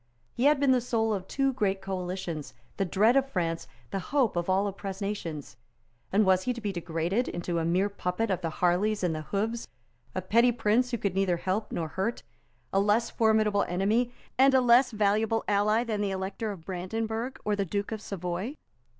He had been the soul of two great coalitions, the dread of France, the hope of all oppressed nations. And was he to be degraded into a mere puppet of the Harleys and the Hooves, a petty prince who could neither help nor hurt, a less formidable enemy and less valuable ally than the Elector of Brandenburg or the Duke of Savoy?